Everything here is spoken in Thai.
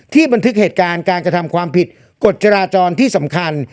บันทึกเหตุการณ์การกระทำความผิดกฎจราจรที่สำคัญ